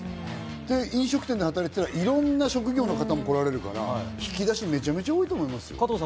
飲食店で働いていたらいろんな職業の方も来られるから引き出しがめちゃくちゃ多いといますよ。